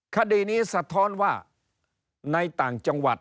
คดีนี้สะท้อนว่าในต่างจังหวัด